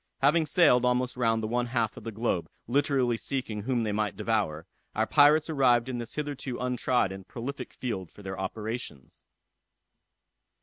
Having sailed almost round the one half of the globe, literally seeking whom they might devour, our pirates arrived in this hitherto untried and prolific field for their operations.